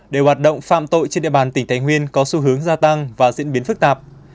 để hoạt động phạm tội trên địa bàn tỉnh thái nguyên có xu hướng gia tăng và diễn biến phức tạp